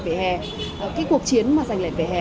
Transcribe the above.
vỉa hè cái cuộc chiến mà dành lại vỉa hè